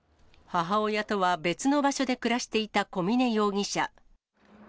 母親とは別の場所で暮らしていた小峰容疑者。